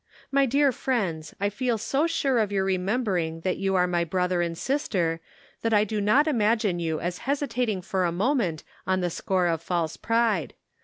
My dear i'iends, I 360 The Pocket Measure. feel so sure of your remembering that you are my brother and sister, that I do not imagine you as hesitating for a moment on the score of false pride.